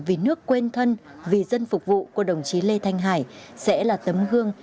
vì nước quen thân vì dân phục vụ của đồng chí lê thanh hải sẽ là tấm hương